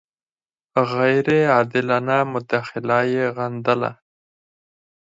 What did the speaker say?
غیر عادلانه مداخله یې غندله.